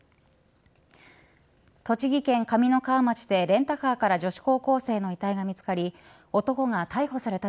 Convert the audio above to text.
栃木県上三川町でレンタカーから女子高校生の遺体が見つかり男が逮捕された